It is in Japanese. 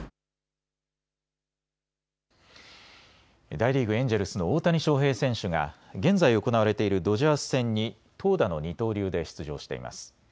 大リーグ、エンジェルスの大谷翔平選手が現在行われているドジャース戦に投打の二刀流で出場しています。